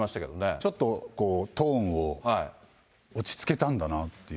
ちょっとトーンを落ち着けたんだなっていう。